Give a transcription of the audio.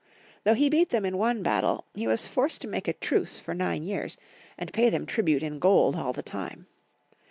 Though he beat them in one battle, he was forced to make a truce for nine years, and pay them tribute in gold all the time.